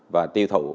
và tiêu thụ